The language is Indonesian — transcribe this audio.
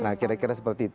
nah kira kira seperti itu